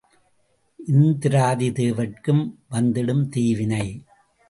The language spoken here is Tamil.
இந்திராதி தேவர்க்கும் வந்திடும் தீவினை.